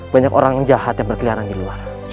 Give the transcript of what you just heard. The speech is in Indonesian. banyak orang jahat yang berkeliaran di luar